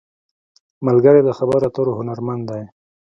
ملګری د خبرو اترو هنرمند دی